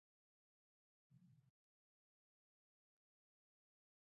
د احمد ږيره؛ علي ور باد باد کړه.